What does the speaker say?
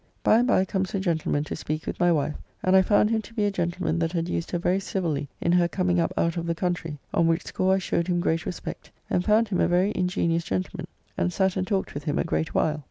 By and by comes a gentleman to speak with my wife, and I found him to be a gentleman that had used her very civilly in her coming up out of the country, on which score I showed him great respect, and found him a very ingenious gentleman, and sat and talked with him a great while.